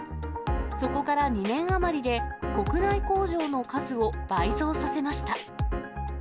そこから２年余りで、国内工場の数を倍増させました。